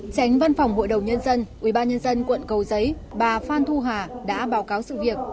tránh văn phòng hội đồng nhân dân ubnd quận cầu giấy bà phan thu hà đã báo cáo sự việc